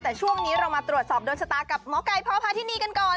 แต่ช่วงนี้เรามาตรวจสอบโดนชะตากับหมอไก่พ่อพาทินีกันก่อน